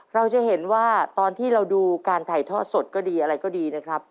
เราจะเห็นว่าตอนที่เราดูการถ่ายทอดสดก็ดีอะไรก็ดีนะครับ